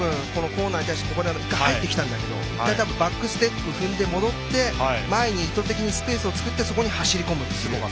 コーナーに対して入ってきたんだけどもバックステップを踏んで戻って前に意図的にスペースを作ってそこに走り込む。